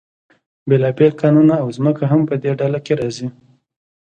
بیلابیل کانونه او ځمکه هم په دې ډله کې راځي.